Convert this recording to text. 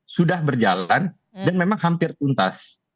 sudah berjalan dan memang hampir tuntas